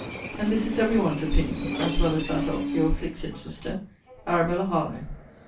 And this is every one's opinion, as well as that of Your afflicted sister, ARABELLA HARLOWE.